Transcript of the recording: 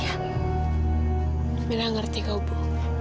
amirah ngerti kau bu